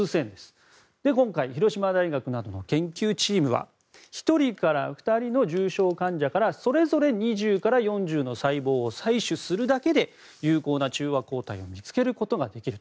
今回の広島大学などの研究チームは１人から２人の重症患者からそれぞれ２０から４０の細胞を採取するだけで有効な中和抗体を見つけることができる。